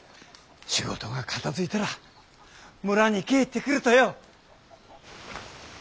仕事が片づいたら村に帰ってくるとよ。